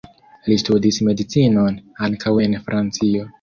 Li studis medicinon, ankaŭ en Francio.